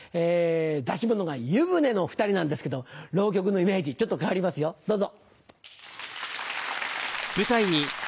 出し物が『湯船の二人』なんですけど浪曲のイメージちょっと変わりますよどうぞ。